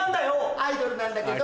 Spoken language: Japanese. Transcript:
アイドルなんだけど。